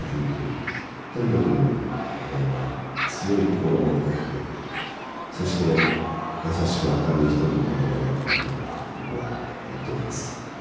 とにかく強い心を持ってそして優しく明るい人だったのではないかなと僕は思っております。